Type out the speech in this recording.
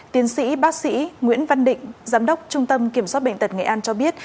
tiến sĩ bác sĩ nguyễn văn định giám đốc trung tâm kiểm soát bệnh tật nghệ an cho biết